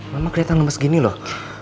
mama kelihatan lemes gini loh